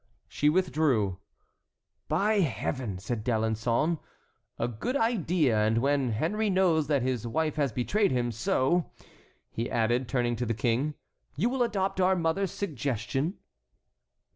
She withdrew. "By Heaven!" said D'Alençon; "a good idea, and when Henry knows that his wife has betrayed him—So," he added, turning to the King, "you will adopt our mother's suggestion?"